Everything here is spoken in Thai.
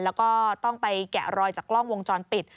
แล้วก็ต้องไปแกะรอยจากกล้องวงจรปิด